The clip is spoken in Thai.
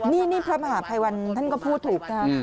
นี่พระมหาภัยวันท่านก็พูดถูกนะครับ